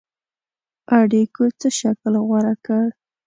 اړېکو څه شکل غوره کړ.